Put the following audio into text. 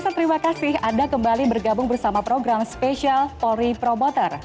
terima kasih anda kembali bergabung bersama program spesial polri promoter